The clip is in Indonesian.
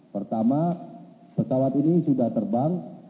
pertama pesawat ini sudah terbang